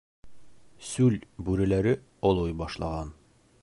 Сүл бүреләре олой башлаған.